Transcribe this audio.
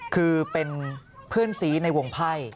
คือเป็นเพื่อนซีในวงไพ่